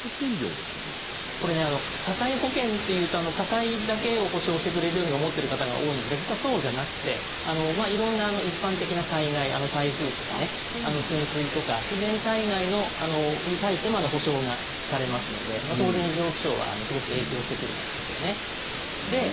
これ、火災保険というと火災だけを補償してくれるように思ってる方が多いんですが実はそうじゃなくて色んな一般的な災害台風とかね、浸水とか自然災害に対しても補償がされますので当然、異常気象はすごく影響してくるわけですよね。